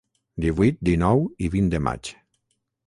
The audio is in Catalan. Divuit, dinou i vint de maig.